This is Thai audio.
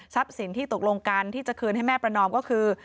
สินที่ตกลงกันที่จะคืนให้แม่ประนอมก็คือ